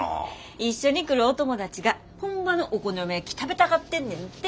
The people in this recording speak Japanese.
一緒に来るお友達が本場のお好み焼き食べたがってんねんて。